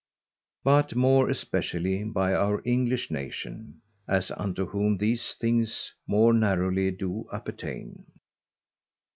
But, more especially by our_ English Nation; _as unto whom these things more narrowly do appertain.